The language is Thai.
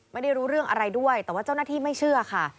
ไม่ได้รู้เรื่องอะไรด้วยแต่ว่าเจ้าหน้าที่ไม่เชื่อค่ะ